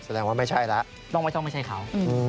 แสดงว่าไม่ใช่แล้วต้องไม่ใช่เขา